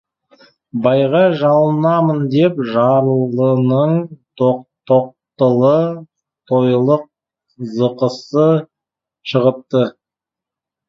Байға жалынамын деп жарлының тоқтылы қойлық зықысы шығыпты.